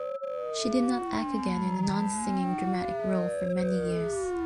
She did not act again in a nonsinging dramatic role for many years.